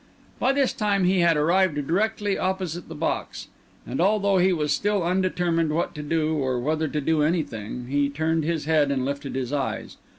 By this time he had arrived directly opposite the box; and although he was still undetermined what to do or whether to do anything, he turned his head and lifted his eyes.